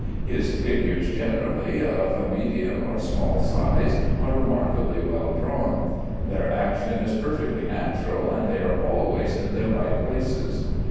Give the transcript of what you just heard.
His figures, generally of medium or small size, are remarkably well drawn. Their action is perfectly natural, and they are always in their right places.